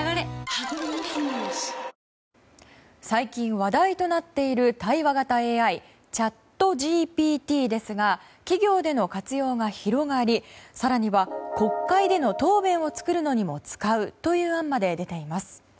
最近、話題となっている対話型ＡＩチャットＧＰＴですが企業での活用が広がり更には国会での答弁を作るのにも使うという案まで出ています。